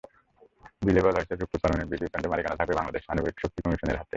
বিলে বলা হয়েছে, রূপপুর পারমাণবিক বিদ্যুৎকেন্দ্রের মালিকানা থাকবে বাংলাদেশ আণবিক শক্তি কমিশনের হাতে।